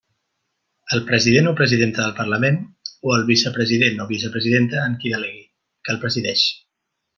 El president o presidenta del Parlament, o el vicepresident o vicepresidenta en qui delegui, que el presideix.